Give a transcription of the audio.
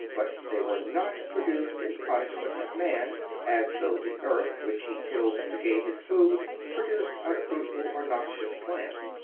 But they were not produced in punishment of man; as though the earth, which he tilled to gain his food, produced unfruitful and noxious plants.